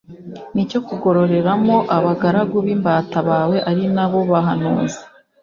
n’icyo kugororereramo abagaragu b’imbata bawe ari ni bo bahanuzi,